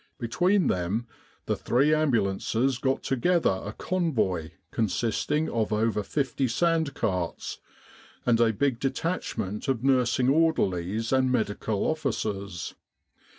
Between them, the three Ambu lances got together a Convoy consisting of over fifty sand carts, and a big detachment of nursing orderlies and M.O.'s.